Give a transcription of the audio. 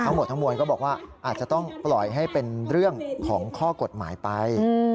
ทั้งหมดทั้งมวลก็บอกว่าอาจจะต้องปล่อยให้เป็นเรื่องของข้อกฎหมายไป